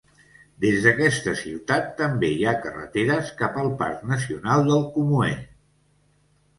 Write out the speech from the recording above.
Des d'aquesta ciutat també hi ha carreteres cap al Parc Nacional del Comoé.